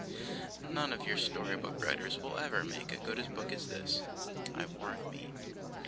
None of your storybook writers will ever make as good a book as this, I warrant me.